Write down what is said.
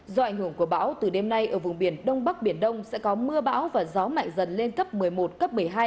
do ảnh hưởng của bão từ đêm nay ở vùng biển đông bắc biển đông sẽ có mưa bão và gió mạnh dần lên cấp một mươi một cấp một mươi hai